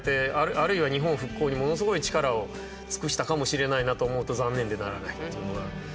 あるいは日本復興にものすごい力を尽くしたかもしれないなと思うと残念でならないっていうのが。